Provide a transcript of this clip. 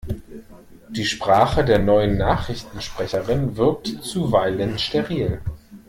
Die Sprache der neuen Nachrichtensprecherin wirkt zuweilen steril.